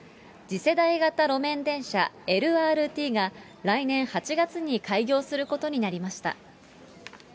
次世代型路面電車、ＬＲＴが、来年８月に開業することになりました。